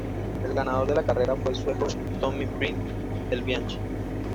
El ganador de la carrera fue el sueco Tommy Prim del Bianchi.